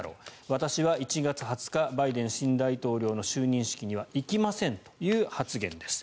私は１月２０日バイデン新大統領の就任式には行きませんという発言です。